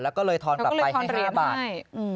แล้วก็เลยทอนกลับไปให้๕บาท